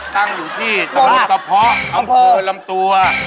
ตั้งอยู่ที่ตระทำตะเพาะอัมเภอรมตัว